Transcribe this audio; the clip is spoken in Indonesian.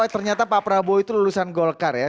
ternyata pak prabowo itu lulusan golkar ya